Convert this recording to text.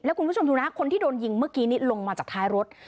คุณผู้ชมดูนะคนที่โดนยิงเมื่อกี้นี่ลงมาจากท้ายรถ